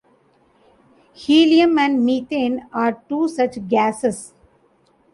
Helium and methane are two such gasses.